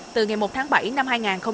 từ ngày một tháng bảy năm hai nghìn hai mươi